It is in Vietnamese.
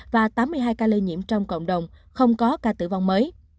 và tám mươi hai ca lây nhiễm trong cộng đồng không có ca tử vong mới